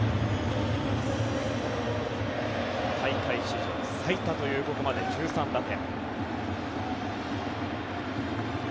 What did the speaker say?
大会史上最多というここまで１３打点。